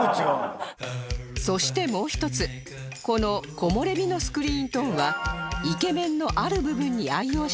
そしてもう一つこの木漏れ日のスクリーントーンはイケメンのある部分に愛用しているそうです